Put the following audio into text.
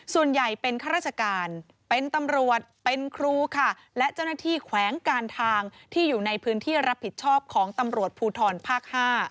ส่วนใหญ่เป็นข้าราชการเป็นตำรวจเป็นครูค่ะและเจ้าหน้าที่แขวงการทางที่อยู่ในพื้นที่รับผิดชอบของตำรวจภูทรภาค๕